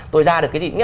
tôi ra được cái gì